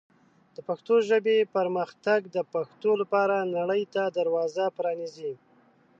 د پښتو ژبې پرمختګ د پښتو لپاره نړۍ ته دروازه پرانیزي.